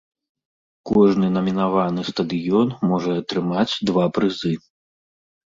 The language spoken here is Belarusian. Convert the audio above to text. Кожны намінаваны стадыён можа атрымаць два прызы.